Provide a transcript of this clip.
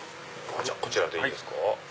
こちらでいいですか。